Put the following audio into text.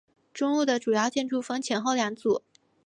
中路的主要建筑分前后两组。